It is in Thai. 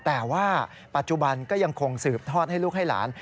แต่ว่าปัจจุบันก็ยังคงสืบทอดให้ลูกให้หลาน